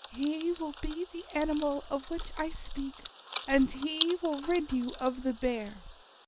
He will be the animal of which I speak, and he will rid you of the Bear."